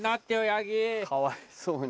かわいそうに。